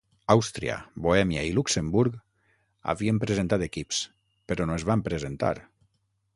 Àustria, Bohèmia i Luxemburg havien presentat equips, però no es van presentar.